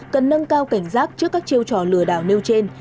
cần nâng cao cảnh giác trước các chiêu trò lừa đảo nêu trên